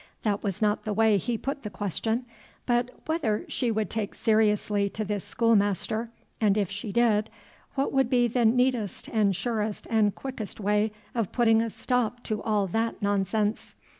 That was not the way he put the question, but whether she would take seriously to this schoolmaster, and if she did, what would be the neatest and surest and quickest way of putting a stop to all that nonsense.